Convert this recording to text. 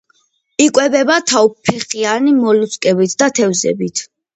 იკვებება თავფეხიანი მოლუსკებით და თევზებით.